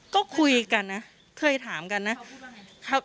ก็คุยกันนะเคยถามกันนะ